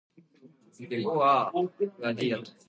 私はかぜ